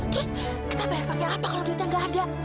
terus kita bayar pakai apa kalau duitnya gak ada